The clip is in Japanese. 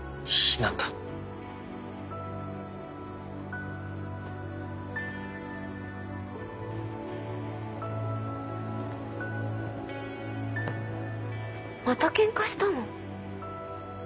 またケンカしたの？